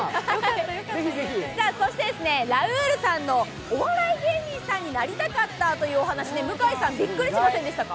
そして、ラウールさんのお笑い芸人さんになりたかったというお話で向井さん、びっくりしませんでしたか？